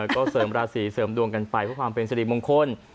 ก็เสริมราศีเสริมดวงกันไปเพื่อความเป็นสิริมงคล